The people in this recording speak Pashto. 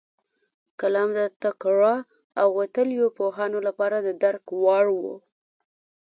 کلام د تکړه او وتلیو پوهانو لپاره د درک وړ و.